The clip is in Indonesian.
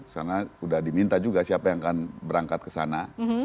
karena sudah diminta juga siapa yang akan berangkat ke sana